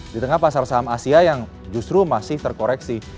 di tengah pasar saham asia yang justru masih terkoreksi